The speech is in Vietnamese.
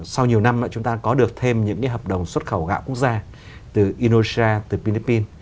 sau nhiều năm chúng ta có được thêm những hợp đồng xuất khẩu gạo quốc gia từ indonesia từ philippines